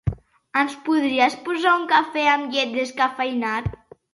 Ens podries posar un cafè amb llet descafeïnat?